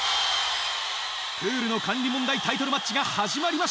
プールの管理問題タイトルマッチが始まりました。